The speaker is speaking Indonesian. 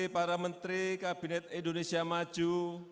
para menteri kabinet indonesia maju